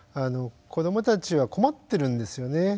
子どもたちは困ってるんですよね。